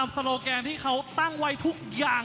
ศอกขวา